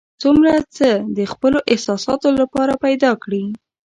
څومره څه د خپلو احساساتو لپاره پیدا کړي.